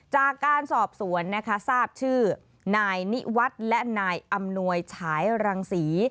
จากการสอบสวนนะคะทราบชื่อนายนิวัฒน์และนายอำนวยฉายรังศรี